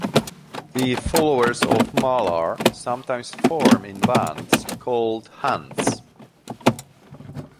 The followers of Malar sometimes form in bands, called Hunts.